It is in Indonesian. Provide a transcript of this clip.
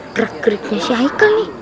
gerak geriknya si aika nih